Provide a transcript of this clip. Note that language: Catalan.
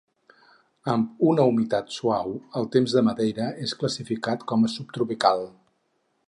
Amb una humitat suau, el temps de Madeira és classificat com a subtropical.